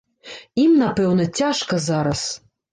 Ім, напэўна, цяжка зараз.